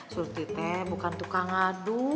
surti teh bukan tukang adu